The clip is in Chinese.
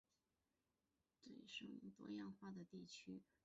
阿巴拉契科拉河流域是密西西比河以东最生物多样化的地区